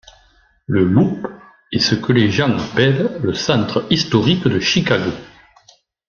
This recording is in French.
Le Loop est ce que les gens appellent le centre historique de Chicago.